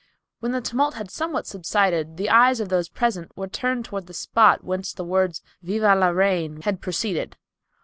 When the tumult had somewhat subsided the eyes of those present were turned toward the spot whence the words "Viva la Reine" had proceeded.